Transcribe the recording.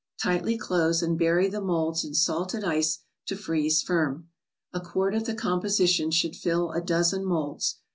Tightly close, and bury the molds in salted ice to freeze firm. A quart of the composition should fill a dozen molds.